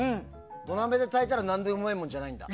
土鍋で炊いたらなんでもうまいんじゃないんだ。